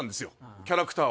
キャラクターを。